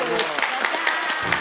やったー！